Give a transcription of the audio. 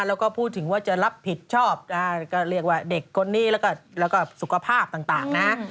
แล้วก็พูดถึงว่าจะรับผิดชอบก็เรียกว่าเด็กคนนี้แล้วก็สุขภาพต่างนะ